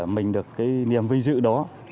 mình được cái niềm vinh dự đó